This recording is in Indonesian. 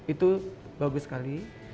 itu bagus sekali